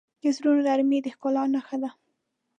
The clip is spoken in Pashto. د زړونو نرمي د ښکلا نښه ده.